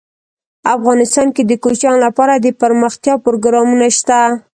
افغانستان کې د کوچیان لپاره دپرمختیا پروګرامونه شته.